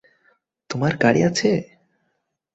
তোমার গাড়ি আছে!